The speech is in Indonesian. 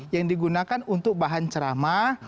yang digunakan untuk bahan ceramah